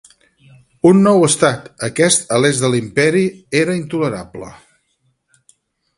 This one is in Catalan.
Un nou estat, aquest a l'est de l'Imperi, era intolerable.